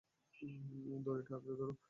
দড়িটা আকড়ে ধরো!